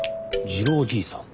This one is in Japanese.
次郎じいさん